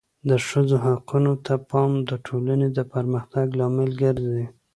د ښځو حقونو ته پام د ټولنې د پرمختګ لامل ګرځي.